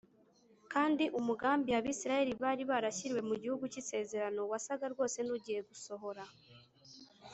kandi umugambi abisirayeli bari barashyiriwe mu gihugu cy’isezerano wasaga rwose n’ugiye gusohora.